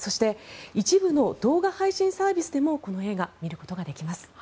一部の動画配信サービスでもこの映画、見ることができます。